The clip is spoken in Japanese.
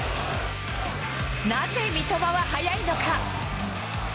なぜ三笘は速いのか。